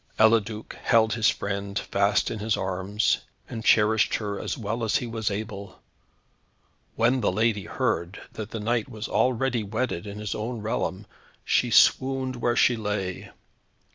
Eliduc held his friend fast in his arms, and cherished her as well as he was able. When the lady heard that her knight was already wedded in his own realm, she swooned where she lay.